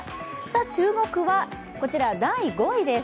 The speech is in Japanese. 注目はこちら、第５位です。